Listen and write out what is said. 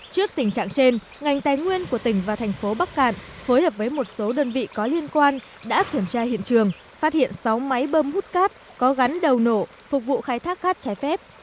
trước tình trạng trên ngành tài nguyên của tỉnh và thành phố bắc cạn phối hợp với một số đơn vị có liên quan đã kiểm tra hiện trường phát hiện sáu máy bơm hút cát có gắn đầu nổ phục vụ khai thác cát trái phép